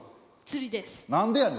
釣りです。